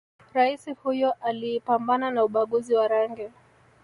raisi huyo aliipambana na ubaguzi wa rangi